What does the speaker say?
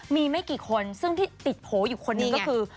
มีไม่กี่คนซึ่งที่ติดโผล่อยู่คนหนึ่งก็คือ